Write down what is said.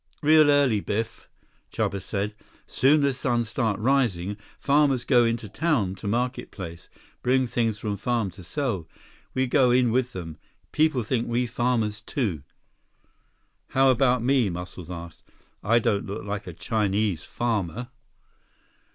"Real early, Biff," Chuba said. "Soon as sun start rising, farmers go into town to market place. Bring things from farm to sell. We go in with them. People think we farmers, too." "How about me?" Muscles asked. "I don't look like a Chinese farmer."